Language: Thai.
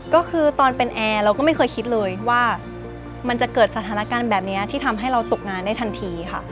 ก็คือตอนเป็นแอร์เราก็ไม่เคยคิดเลยว่ามันจะเกิดสถานการณ์แบบนี้ที่ทำให้เราตกงานได้ทันทีค่ะ